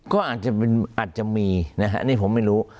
ก็อาจจะมีนะฮะนี่ผมไม่รู้